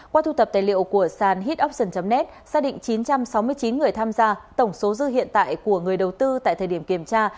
qua thu thập tài liệu của sàn het opton net xác định chín trăm sáu mươi chín người tham gia tổng số dư hiện tại của người đầu tư tại thời điểm kiểm tra